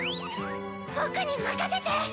ぼくにまかせて！